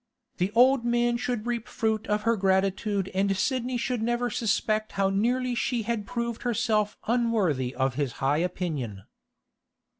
The old man should reap fruit of her gratitude and Sidney should never suspect how nearly she had proved herself unworthy of his high opinion.